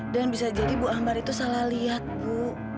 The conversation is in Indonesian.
dan bisa jadi bu ambar itu salah lihat bu